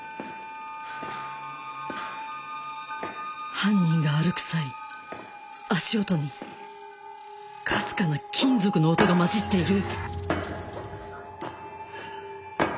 犯人が歩く際足音にかすかな金属の音が混じっている